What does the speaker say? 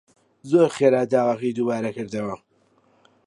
زۆر خێرا داواکەی دووبارە کردەوە